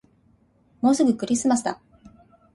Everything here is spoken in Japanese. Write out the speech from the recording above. もうすぐクリスマスだ